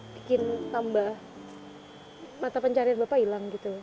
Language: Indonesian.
bikin tambah mata pencarian bapak hilang gitu